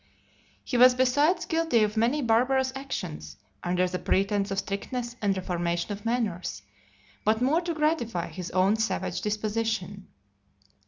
(228) LIX. He was besides guilty of many barbarous actions, under the pretence of strictness and reformation of manners, but more to gratify his own savage disposition.